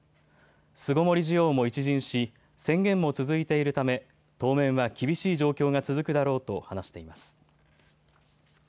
巣ごもり需要も一巡し宣言も続いているため当面は厳しい状況が続くだろうと話しています。